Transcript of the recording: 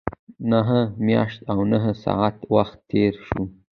نهه میاشتې او نهه ساعته وخت تېر شو.